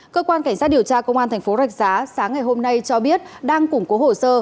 cơ quan cảnh sát điều tra công an thành phố rạch giá sáng ngày hôm nay cho biết đang củng cố hồ sơ